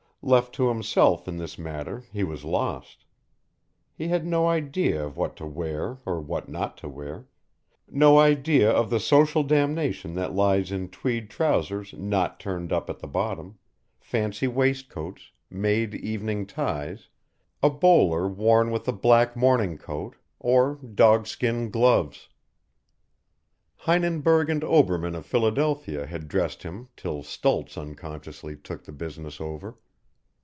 Left to himself in this matter he was lost. He had no idea of what to wear or what not to wear, no idea of the social damnation that lies in tweed trousers not turned up at the bottom, fancy waistcoats, made evening ties, a bowler worn with a black morning coat, or dog skin gloves. Heinenberg and Obermann of Philadelphia had dressed him till Stultz unconsciously took the business over.